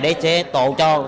để sẽ tổ cho